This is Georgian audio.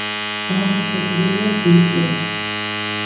დამახასიათებელია რბილი კლიმატი.